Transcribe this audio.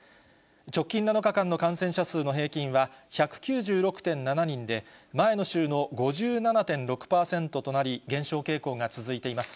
直近７日間の感染者数の平均は１９６．７人で、前の週の５７．６％となり、減少傾向が続いています。